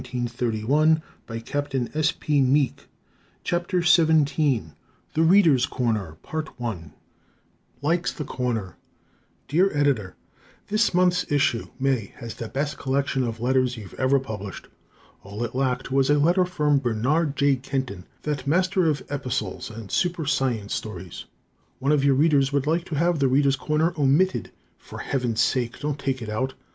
[Illustration: The Readers' Corner A Meeting Place for Readers of Astounding Stories] Likes the "Corner" Dear Editor: This month's issue, May, has the best collection of letters you've ever published. All it lacked was a letter from Bernard J. Kenton, that master of epistles and super science stories. One of your Readers would like to have "The Readers' Corner" omitted. For heaven's sake, don't take it out!